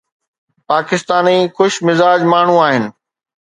پاڪستاني خوش مزاج ماڻهو آهن